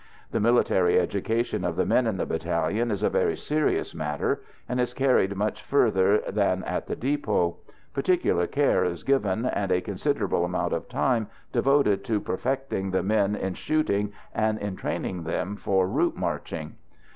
The military education of the men in the battalion is a very serious matter, and is carried much further than at the depot. Particular care is given and a considerable amount of time devoted to perfecting the men in shooting and in training them for route marching.